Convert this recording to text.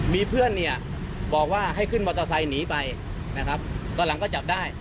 มีเพื่อนเนี่ยบอกว่าให้ขึ้นมอเตอร์ไซค์หนีไปนะครับตอนหลังก็จับได้